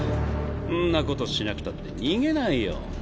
んなことしなくたって逃げないよ。